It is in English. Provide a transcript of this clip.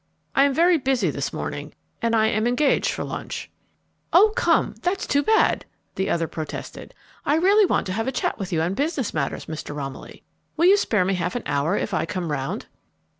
"I am very busy this morning, and I am engaged for lunch." "Oh, come, that's too bad," the other protested, "I really want to have a chat with you on business matters, Mr. Romilly. Will you spare me half an hour if I come round?"